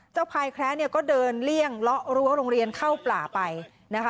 เจ้าพลายแคระก็เดินเลี่ยงละรั้วโรงเรียนเข้าปลาไปนะคะ